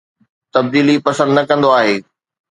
تبديلي پسند نه ڪندو آھي